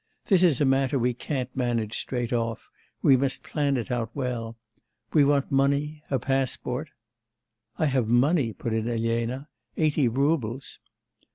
This is a matter we can't manage straight off; we must plan it out well. We want money, a passport ' 'I have money,' put in Elena. 'Eighty roubles.